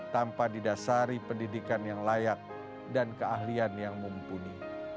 tanpa didasari pendidikan yang layak dan keahlian yang mumpuni